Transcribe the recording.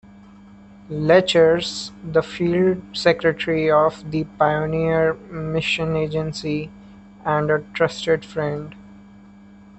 Legters, the field secretary of the "Pioneer Mission Agency" and a trusted friend.